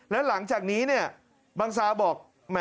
แล้วหลังจากนี้เนี่ยบังซาบอก